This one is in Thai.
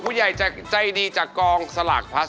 ผู้ใหญ่จะใจดีจากกองสลากพลัส